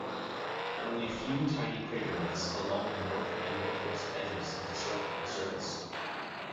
Only a few tiny craterlets along the north and northwest edges disrupt the surface.